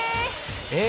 え！